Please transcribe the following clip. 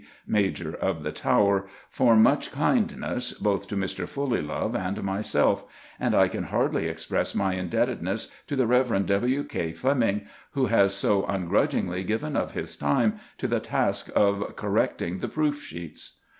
B., Major of the Tower, for much kindness, both to Mr. Fulleylove and myself; and I can hardly express my indebtedness to the Rev. W. K. Fleming, who has so ungrudgingly given of his time to the task of correcting the proof sheets.